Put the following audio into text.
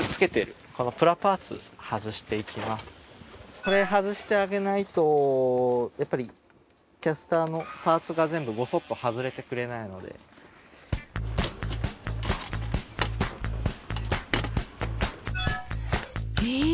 これ外してあげないとやっぱりキャスターのパーツが全部ごそっと外れてくれないのでへえ